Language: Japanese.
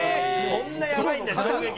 そんなやばいんだ衝撃。